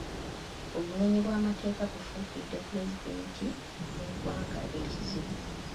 Obumenyi bw’amateeka bufuukidde Pulezidenti n’eggwanga ekizibu.